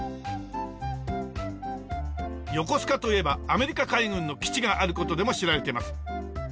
横須賀といえばアメリカ海軍の基地がある事でも知られています。